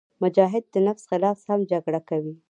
مجاهد د نفس خلاف هم جګړه کوي.